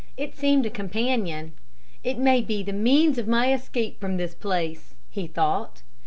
It seemed a companion. "It may be the means of my escape from this place," he thought.